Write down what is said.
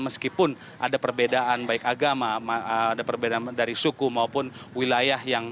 meskipun ada perbedaan baik agama ada perbedaan dari suku maupun wilayah yang